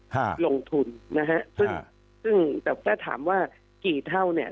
ฮะลงทุนนะฮะซึ่งซึ่งแต่ถ้าถามว่ากี่เท่าเนี่ย